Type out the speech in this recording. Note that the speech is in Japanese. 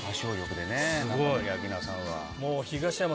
中森明菜さんは。